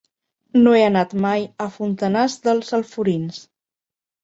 No he anat mai a Fontanars dels Alforins.